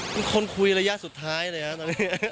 เป็นคนคุยระยะสุดท้ายเลยนะ